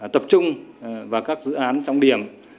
tập trung vào các dự án trọng điểm